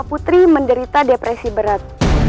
putri menderita depresi berat